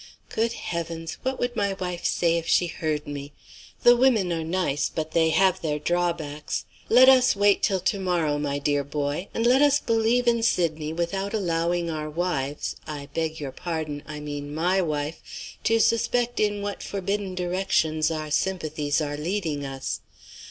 Good heavens! What would my wife say if she heard me? The women are nice, but they have their drawbacks. Let us wait till tomorrow, my dear boy; and let us believe in Sydney without allowing our wives I beg your pardon, I mean my wife to suspect in what forbidden directions our sympathies are leading us.